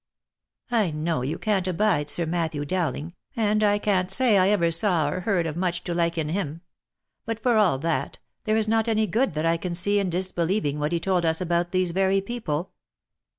I know you can't abide Sir Matthew Douling, and I can't say I ever saw br heard of much to like in him ; but for all that, there is not any good that I can see in disbelieving what he told us about these very people.